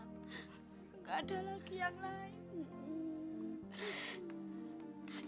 tidak ada lagi yang lain